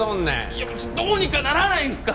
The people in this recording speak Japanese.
いやどうにかならないんですか？